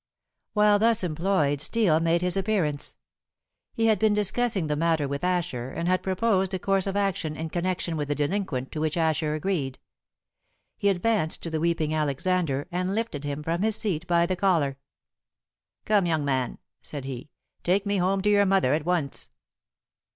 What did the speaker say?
While thus employed Steel made his appearance. He had been discussing the matter with Asher, and had proposed a course of action in connection with the delinquent to which Asher agreed. He advanced to the weeping Alexander and lifted him from his seat by the collar. "Come, young man," said he, "take me home to your mother at once."